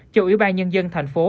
cho ủy ban nhân dân thành phố